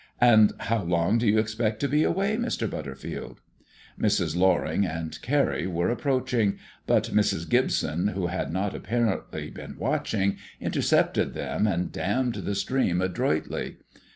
"And how long do you expect to be away, Mr. Butterfield?" Mrs. Loring and Carrie were approaching; but Mrs. Gibson, who had not apparently been watching, intercepted them, and dammed the stream adroitly.